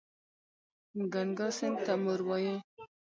ګنګا سیند ته مور وايي.